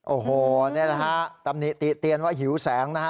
โอ้โหนี่แหละฮะตำหนิติเตียนว่าหิวแสงนะฮะ